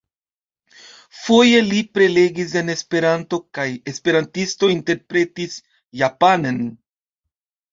Foje li prelegis en Esperanto, kaj esperantisto interpretis japanen.